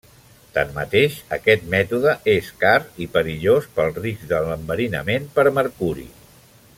Tanmateix aquest mètode és car i perillós pel risc de l'enverinament per mercuri.